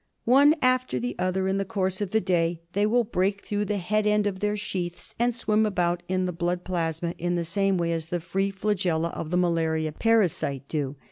One after the other in the course of the day they will break through the head end of their sheaths, and swim about in the blood plasma in the same way as the free flagella of the malaria parasite do.